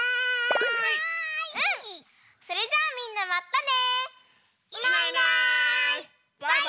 それじゃあみんなまたね！